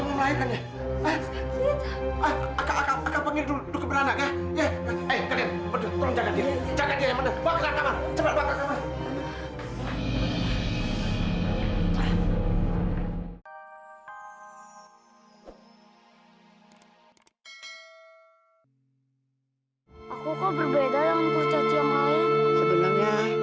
kami menemukan kamu di tengah hutan